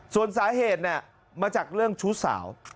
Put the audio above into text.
ส่วนสาเหตุมาจากเรื่องชู้สาว